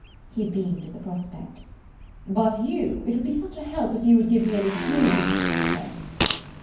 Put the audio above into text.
He beamed at the prospect. "But you–it would be such a help if you would give me any clue to this discontent."